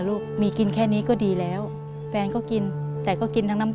เปลี่ยนเพลงเพลงเก่งของคุณและข้ามผิดได้๑คำ